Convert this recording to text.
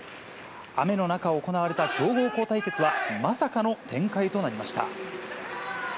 雨の中、行われた強豪校対決は、まさかの展開となりました。